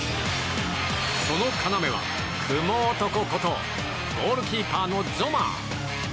その要は、クモ男ことゴールキーパーのゾマー。